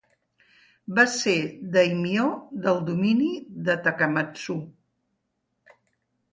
Va ser dàimio del domini de Takamatsu.